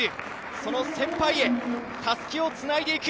その先輩へたすきをつないでいく。